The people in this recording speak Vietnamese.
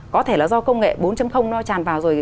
có thể là do công nghệ bốn nó tràn vào rồi